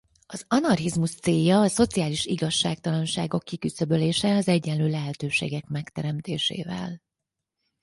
Az anarchizmus célja a szociális igazságtalanságok kiküszöbölése az egyenlő lehetőségek megteremtésével.